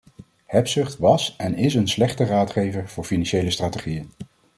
Hebzucht was en is een slechte raadgever voor financiële strategieën.